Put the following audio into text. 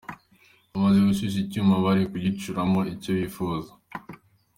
Bamaze gushyushya icyuma bari kugicuramo icyo bifuza.